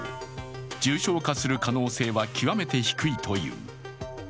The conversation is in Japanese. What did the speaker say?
重症化する可能性は極めて低いという。